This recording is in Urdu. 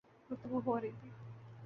گفتگو ہو رہی تھی